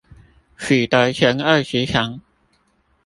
取得前二十強